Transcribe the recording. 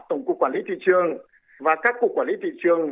tổng cục quản lý thị trường và các cục quản lý thị trường